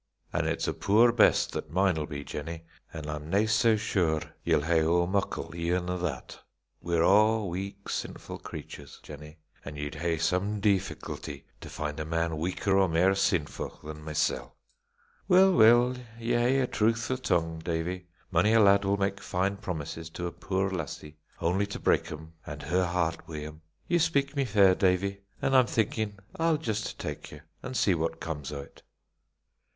"An' it's a puir best that mine'll be, Jennie, and I'm nae sae sure ye'll hae ower muckle even o' that. We're a' weak, sinfu' creatures, Jennie, an' ye'd hae some deefficulty to find a man weaker or mair sinfu' than mysel'." "Weel, weel, ye hae a truthfu' tongue, Davie. Mony a lad will mak fine promises to a puir lassie, only to break 'em an' her heart wi' 'em. Ye speak me fair, Davie, and I'm thinkin' I'll just tak ye, an' see what comes o't."